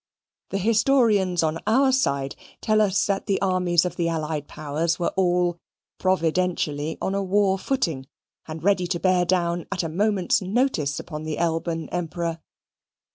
The historians on our side tell us that the armies of the allied powers were all providentially on a war footing, and ready to bear down at a moment's notice upon the Elban Emperor.